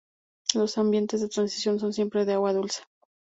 Los ambientes de transición son siempre de agua dulce.